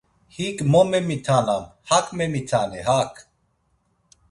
Hik mo memitanam, hak memitani hak!